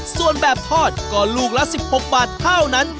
ส่วนแบบทอดก็ลูกละ๑๖บาทเท่านั้น